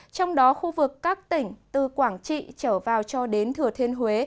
trong đó khu vực các tỉnh từ quảng trị trở vào cho đến thừa thiên huế